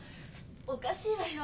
おかしいわよ。